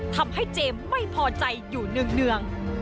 ทำให้เจมส์ไม่พอใจอยู่เนื่อง